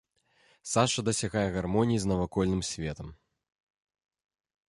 Саша дасягае гармоніі з навакольным светам.